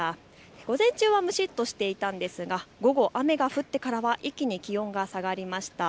午前中は蒸しっとしていたんですが午後、雨が降ってからは一気に気温が下がりました。